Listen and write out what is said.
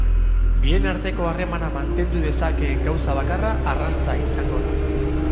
Bien arteko harremana mantendu dezakeen gauza bakarra arrantza izango da.